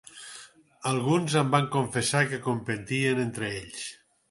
Alguns em van confessar que competien entre ells.